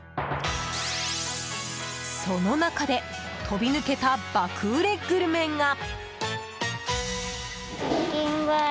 その中で飛び抜けた爆売れグルメが。